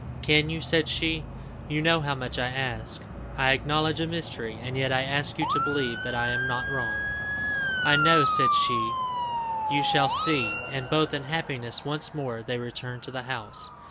"Can you?" said she; "you know how much I ask. I acknowledge a mystery, and yet I ask you to believe that I am not wrong." "I know," said she; "you shall see." And both in happiness once more, they returned to the house.